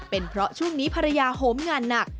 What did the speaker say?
เป็นเพราะช่วงนี้ภรรยาโหมงานหนัก